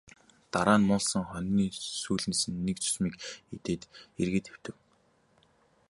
Дараа нь муулсан хонины сүүлнээс нэг зүсмийг идээд эргээд хэвтэв.